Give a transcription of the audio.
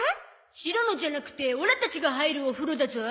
シロのじゃなくてオラたちが入るお風呂だゾ。